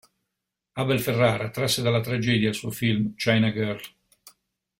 Abel Ferrara trasse dalla tragedia il suo film "China Girl".